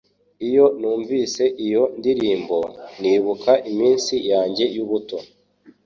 Iyo numvise iyo ndirimbo, nibuka iminsi yanjye y'ubuto